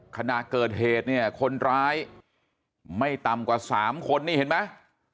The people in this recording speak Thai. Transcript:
ขณะเกิดเหตุเนี่ยคนร้ายไม่ต่ำกว่า๓คนนี่เห็นไหม